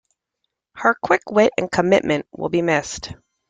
Her quick wit and commitment will be missed.